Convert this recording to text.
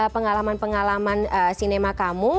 pengalaman pengalaman sinema kamu